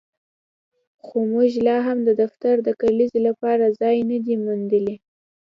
خو موږ لاهم د دفتر د کلیزې لپاره ځای نه دی موندلی